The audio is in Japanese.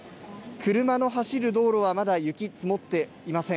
車の走る道路はまだ雪、積もっていません。